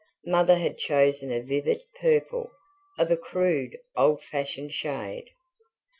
Mother had chosen a vivid purple, of a crude, old fashioned shade.